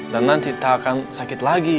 dan nanti tak akan sakit lagi